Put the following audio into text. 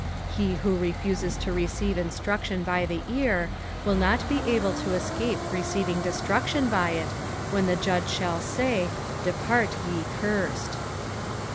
He who refuses to rec^ve instruction 1^ the ear, will not be able to ew»pe receiving destruction by it when the JudW shall say. " Depail, ;e curved.